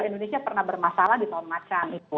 indonesia pernah bermasalah di tahun macan itu